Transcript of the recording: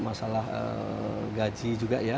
masalah gaji juga ya